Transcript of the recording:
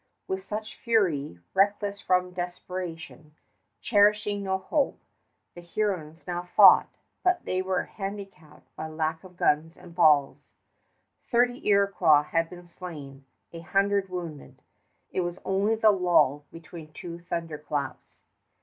With such fury, reckless from desperation, cherishing no hope, the Hurons now fought, but they were handicapped by lack of guns and balls. Thirty Iroquois had been slain, a hundred wounded, and the assailants drew off for breath. It was only the lull between two thunderclaps.